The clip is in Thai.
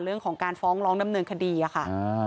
เรื่องของการฟ้องร้องดำเนินคดีอะค่ะ